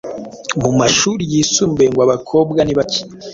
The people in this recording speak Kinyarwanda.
Mu mashuri yisumbuye ngo abakobwa nibake